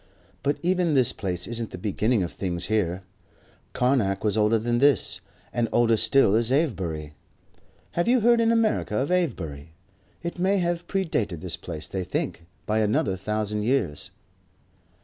"But even this place isn't the beginning of things here. Carnac was older than this. And older still is Avebury. Have you heard in America of Avebury? It may have predated this place, they think, by another thousand years."